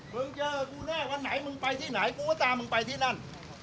มึงเจอกูแรกวันไหนมึงไปที่ไหนกูก็ตามมึงไปที่นั่น